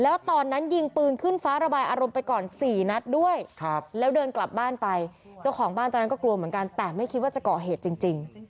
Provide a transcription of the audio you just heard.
แล้วตอนนั้นยิงปืนขึ้นฟ้าระบายอารมณ์ไปก่อน๔นัดด้วยแล้วเดินกลับบ้านไปเจ้าของบ้านตอนนั้นก็กลัวเหมือนกันแต่ไม่คิดว่าจะก่อเหตุจริง